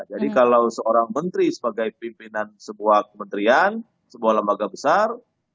jadi kalau seorang menteri sebagai pimpinan sebuah kementerian sebuah lembaga besar